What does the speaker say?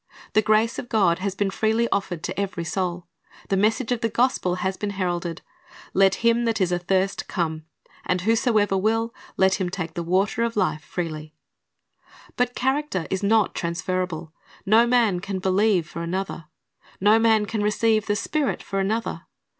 The grace of God has been freely offered to every soul. The message of the gospel has been heralded, "Let him that is athirst come. And whosoever will, let him take the water of life freely."^ But character is not transferable. No man can believe for another. No man can receive the Spirit for another.